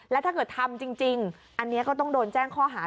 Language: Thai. แล้วถ้าเกิดทำจริงอันนี้ก็ต้องโดนแจ้งข้อหา